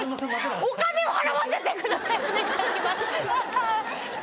お金を払わせてください！